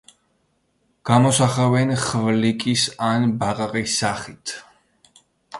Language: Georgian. გამოსახავენ ხვლიკის ან ბაყაყის სახით.